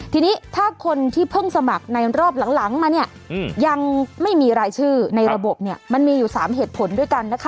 ทีนี้ถ้าคนที่เพิ่งสมัครในรอบหลังมาเนี่ยยังไม่มีรายชื่อในระบบเนี่ยมันมีอยู่๓เหตุผลด้วยกันนะคะ